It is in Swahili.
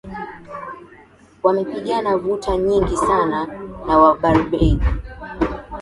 wamepigana vuta nyingi sana na wabarbaig